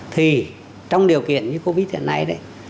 thì trong điều kiện như covid hiện nay